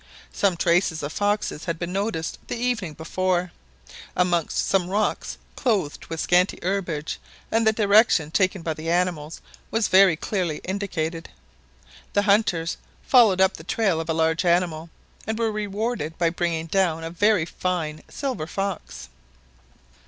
Some traces of foxes had been noticed the evening before, amongst some rocks clothed with scanty herbage and the direction taken by the animals was very clearly indicated. The hunters followed up the trail of a large animal, and were rewarded by bringing down a very fine silver fox.